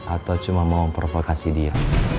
atau cuma mau provokasi dia